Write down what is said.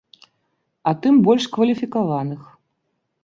А тым больш кваліфікаваных.